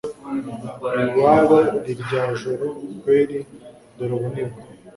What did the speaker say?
iwabo rirya joro kweli dore ubu nibwo